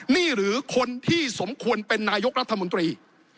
นี่หรือคนที่สมควรเป็นนายกรัฐมนตรี